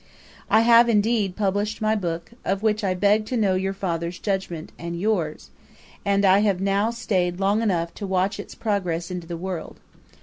'I have, indeed, published my Book, of which I beg to know your father's judgement, and yours; and I have now staid long enough to watch its progress into the world.